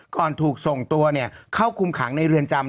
ถูกส่งตัวเข้าคุมขังในเรือนจำ